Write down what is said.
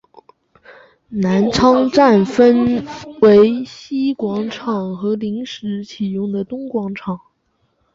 南昌站分为西广场和临时启用的东广场。